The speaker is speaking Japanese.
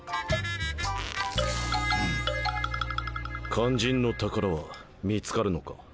肝心の宝は見つかるのか？